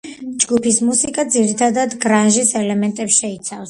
ჯგუფის მუსიკა ძირითადად გრანჟის ელემენტებს შეიცავს.